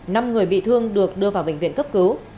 năm người bị thương được đưa vào bệnh viện cấp cứu